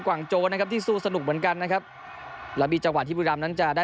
ว่างโจนะครับที่สู้สนุกเหมือนกันนะครับแล้วมีจังหวะที่บุรีรำนั้นจะได้